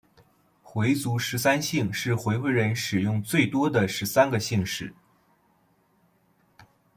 回族十三姓是回回人使用最多的十三个姓氏。